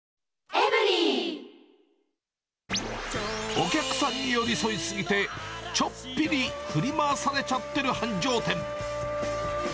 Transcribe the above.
お客さんに寄り添い過ぎて、ちょっぴり振り回されちゃってる繁盛店。